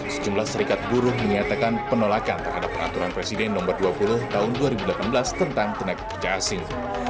sejumlah serikat buruh menyatakan penolakan terhadap peraturan presiden nomor dua puluh tahun dua ribu delapan belas tentang tenaga kerja asing